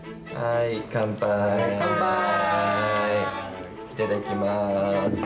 いただきます。